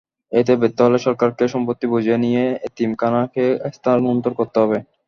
এতে ব্যর্থ হলে সরকারকে সম্পত্তি বুঝে নিয়ে এতিমখানাকে হস্তান্তর করতে হবে।